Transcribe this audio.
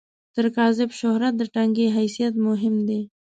تر کاذب شهرت، د ټنګي حیثیت مهم دی.